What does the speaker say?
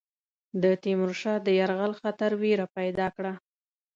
د تیمور شاه د یرغل خطر وېره پیدا کړه.